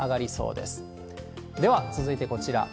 では、続いてこちら。